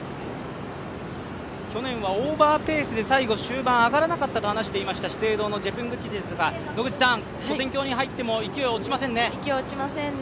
去年はオーバーペースで終盤上がらなかったと話していた資生堂のジェプングティチですが、後半入っても勢いは落ちませんね。